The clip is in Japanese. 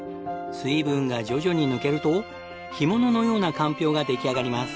水分が徐々に抜けると干物のようなかんぴょうが出来上がります。